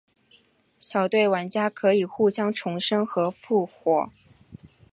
小队玩家可以互相重生和复活。